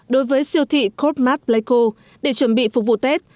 đối với siêu thị corp mart pleco để chuẩn bị phục vụ tết